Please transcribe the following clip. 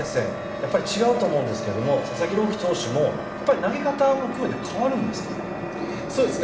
やっぱり違うと思うんですが佐々木朗希投手も投げ方も含めて変わるんですか？